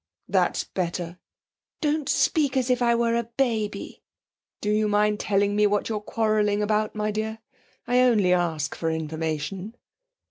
That's better.' 'Don't speak as if I were a baby!' 'Do you mind telling me what we're quarrelling about, my dear? I only ask for information.'